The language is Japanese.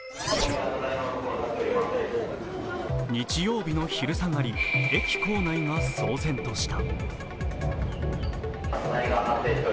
日曜日の昼下がり駅構内が騒然とした。